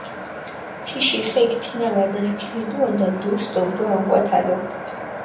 თიში ხექ თინა ვადასქილიდუადა, დუს დობდვა ოკვათალო.